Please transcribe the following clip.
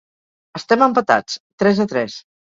Estem empatats, tres a tres.